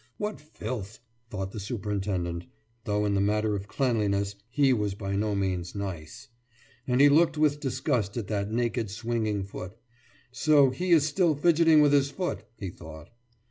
»What filth!« thought the superintendent, though in the matter of cleanliness he was by no means nice. And he looked with disgust at that naked swinging foot. »So he is still fidgeting with his foot,« he thought.